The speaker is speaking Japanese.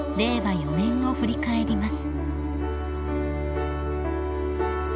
４年を振り返ります］